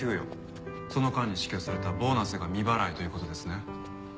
その間に支給されたボーナスが未払いという事ですね。